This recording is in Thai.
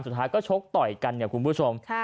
สุดท้ายก็ชกต่อยกันเนี่ยคุณผู้ชม